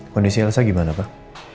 kondisi elsa gimana pak